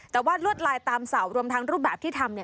แต่ว่าลวดลายตามเสารวมทั้งรูปแบบที่ทำเนี่ย